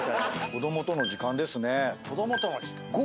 子供との時間ですね。